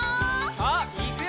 さあいくよ！